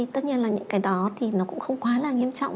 tất nhiên là những cái đó thì nó cũng không quá là nghiêm trọng